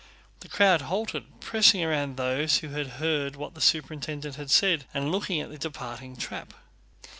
The crowd halted, pressing around those who had heard what the superintendent had said, and looking at the departing trap.